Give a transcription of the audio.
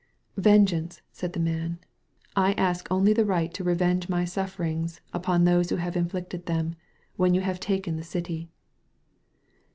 "Vengeance/' said the man, "I ask only the right to revenge my sufferings upon those who have injQicted them, when you have taken the city."